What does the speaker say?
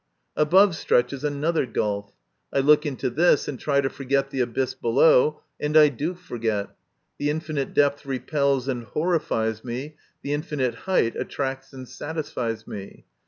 Above stretches another gulf. I look into this, and try to forget the abyss below, and I do forget. The infinite depth repels and horrifies me ; the infinite height attracts and satisfies me.